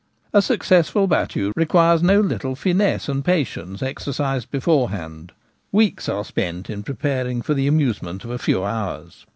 A successful battue requires no little finesse and patience exercised beforehand ; weeks are spent in preparing for the amusement of a few hours.